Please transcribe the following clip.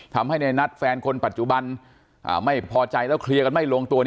ทำให้ในนัดแฟนคนปัจจุบันไม่พอใจแล้วเคลียร์กันไม่ลงตัว